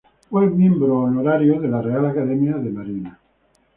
Fue miembro honorario de la Real Academia de Marina.